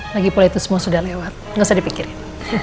lagi pula itu semua sudah lewat gak usah dipikirin